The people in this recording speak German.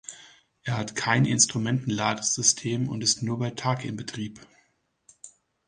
Er hat kein Instrumentenlandesystem und ist nur bei Tag in Betrieb.